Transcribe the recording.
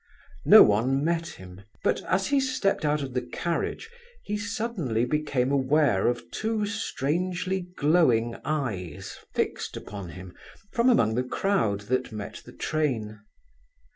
No one met him; but, as he stepped out of the carriage, he suddenly became aware of two strangely glowing eyes fixed upon him from among the crowd that met the train.